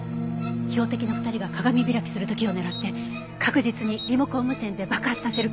標的の２人が鏡開きする時を狙って確実にリモコン無線で爆発させる計画。